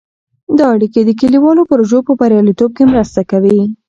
دا اړیکې د کلیوالو پروژو په بریالیتوب کې مرسته کوي.